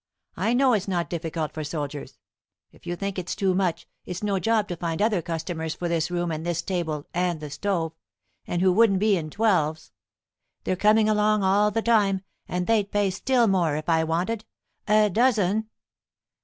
I know it's not difficult for soldiers. If you think it's too much, it's no job to find other customers for this room and this table and the stove, and who wouldn't be in twelves. They're coming along all the time, and they'd pay still more, if I wanted. A dozen!